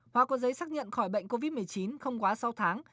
hóa có giấy xác nhận khỏi bệnh covid một mươi chín không quá sáu tháng